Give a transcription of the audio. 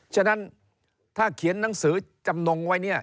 ฉะนั้นถ้าเขียนหนังสือจำนงไว้เนี่ย